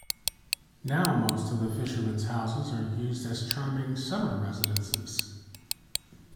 Now most of the fishermen's houses are used as charming summer residences.